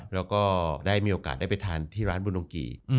แล้วก็ได้มีโอกาสได้ไปทานที่ร้านบุดงกี